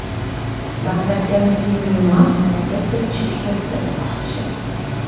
Բանտարկյալների մի մասն այդպես էլ չի փորձել փախչել։